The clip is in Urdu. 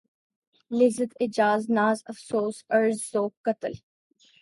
لذت ایجاد ناز افسون عرض ذوق قتل